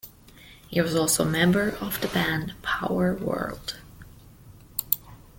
He was also a member of the band Powerworld.